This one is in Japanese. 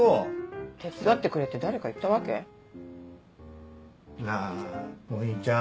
手伝ってくれって誰か言ったわけ？なぁお兄ちゃん。